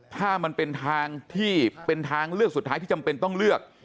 ถ้ามันเป็นทางที่เป็นทางเลือกสุดท้ายที่จำเป็นต้องเลือก